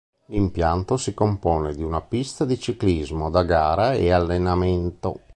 L'impianto si compone di una pista di ciclismo da gara e allenamento.